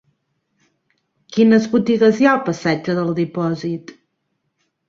Quines botigues hi ha al passatge del Dipòsit?